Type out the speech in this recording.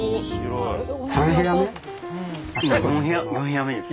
今４部屋目です。